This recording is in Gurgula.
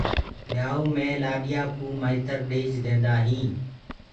ٻِيآئو مي لآڏيآ ڪو مآئتر ڏيج دينٚدآ هيٚنٚ